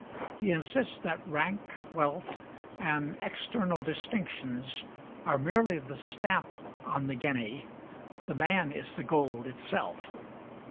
He insists that rank, wealth, and external distinctions are merely the stamp on the guinea; the man is the gold itself.